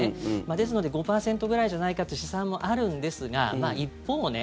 ですので５％ぐらいじゃないかという試算もあるんですが一方ね